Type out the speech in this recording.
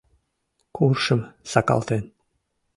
Куршым сакалтен